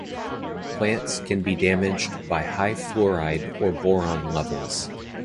Plants can be damaged by high fluoride or boron levels.